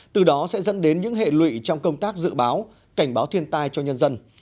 từ đó sẽ dẫn đến những hệ lụy trong công tác dự báo cảnh báo thiên tai cho nhân dân